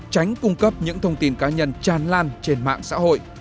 tránh cung cấp những thông tin cá nhân tràn lan trên mạng xã hội